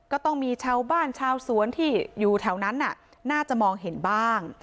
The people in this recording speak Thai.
ก็ต้องมีชาวบ้านชาวสวนที่อยู่แถวนั้นน่าจะมองเห็นบ้าง